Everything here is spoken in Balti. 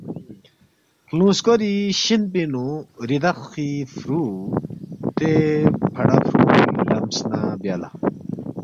“ خلُونگ سکوری شین پِنگ نُو ریدخی فُرو، دے فڑا فُرو لم سنہ بیا لہ